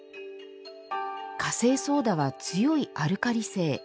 カセイソーダは強いアルカリ性。